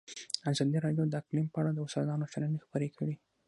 ازادي راډیو د اقلیم په اړه د استادانو شننې خپرې کړي.